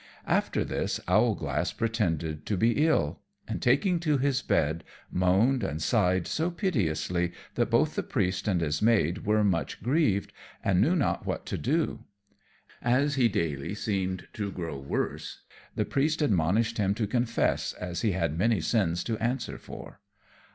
After this Owlglass pretended to be ill; and taking to his bed, moaned and sighed so piteously that both the Priest and his maid were much grieved, and knew not what to do. As he daily seemed to grow worse, the Priest admonished him to confess, as he had many sins to answer for.